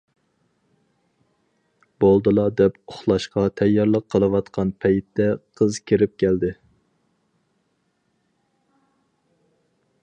بولدىلا دەپ ئۇخلاشقا تەييارلىق قىلىۋاتقان پەيتتە قىز كىرىپ كەلدى.